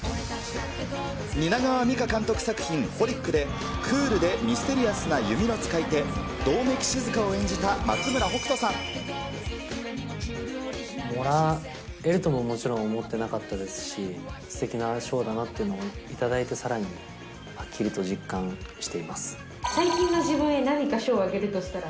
蜷川実花監督作品、ホリックで、クールでミステリアスな弓の使い手、もらえるとももちろん思ってなかったですし、すてきな賞だなっていうのは頂いてさらにはっきりと実感していま最近の自分へ、何か賞をあげるとしたら。